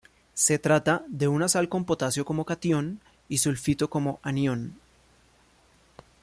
Se trata de una sal con potasio como catión y sulfito como anión.